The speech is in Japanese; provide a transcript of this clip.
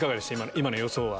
今の予想は。